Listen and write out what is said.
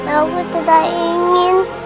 aku tidak ingin